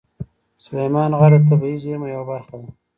سلیمان غر د طبیعي زیرمو یوه برخه ده.